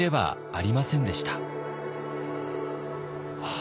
あ